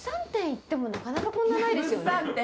行っても、なかなかこんなないですよね。